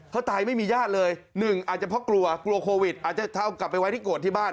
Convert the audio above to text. เขาตายไม่มีญาติเลยหนึ่งอาจจะเพราะกลัวกลัวโควิดอาจจะเอากลับไปไว้ที่โกรธที่บ้าน